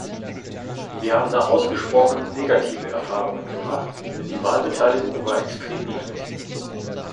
Wir haben da ausgesprochen negative Erfahrungen gemacht, denn die Wahlbeteiligung war extrem niedrig.